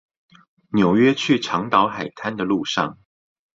紐約去長島海灘的路上